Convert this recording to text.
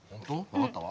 分かったわ。